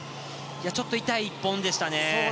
ちょっと痛い１本でしたね。